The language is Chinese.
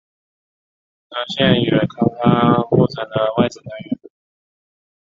吴宗宪与康康互整的外景单元。